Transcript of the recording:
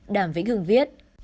đàm vĩnh hương viết